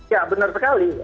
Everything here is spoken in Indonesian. ya benar sekali